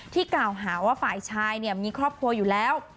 กล่าวหาว่าฝ่ายชายมีครอบครัวอยู่แล้ว